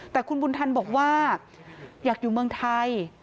แต่คุณบุญทันบอกว่าอยากอยู่เมืองไทย